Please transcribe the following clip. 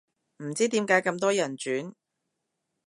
唔知點解咁多人轉